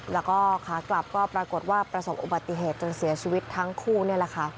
แล้วก็ขากลับก็ปรากฏว่าประสบอุบัติเหตุจนเสียชีวิตทั้งคู่นี่แหละค่ะ